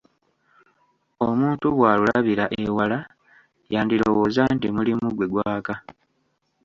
Omuntu bw'alulabira ewala, yandirowooza nti mulimu gwe gwaka..